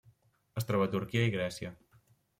Es troba a Turquia i Grècia.